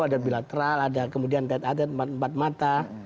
ada bilateral ada kemudian tet a tet empat mata